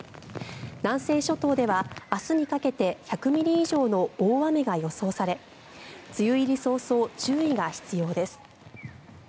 南西諸島では明日にかけて１００ミリ以上の大雨が予想され梅雨入り早々、注意が必要です。